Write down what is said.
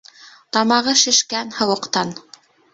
Тамағы шешкән, һыуыҡтан.